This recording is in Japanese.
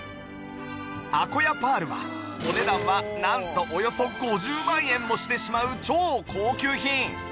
アコヤパールはお値段はなんとおよそ５０万円もしてしまう超高級品！